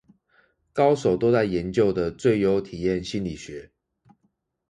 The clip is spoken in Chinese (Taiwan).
高手都在研究的最優體驗心理學